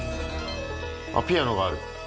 あっピアノがある。